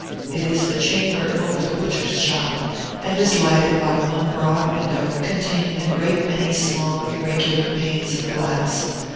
It is the chamber over the butcher's shop, and is lighted by one broad window containing a great many small, irregular panes of glass.